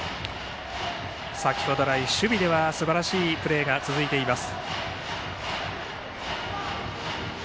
先程来、守備ではすばらしいプレーが続いています。